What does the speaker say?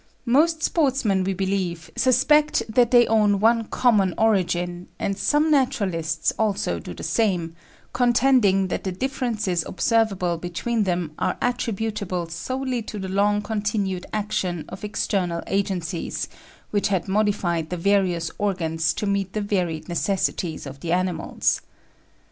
Most sportsmen, we believe, suspect that they own one common origin, and some naturalists also do the same, contending that the differences observable between them are attributable solely to the long continued action of external agencies, which had modified the various organs to meet the varied necessities of the animals.